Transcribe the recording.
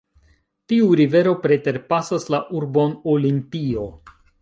Tiu rivero preterpasas la urbon Olimpio.